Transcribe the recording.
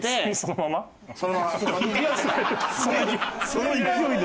その勢いで。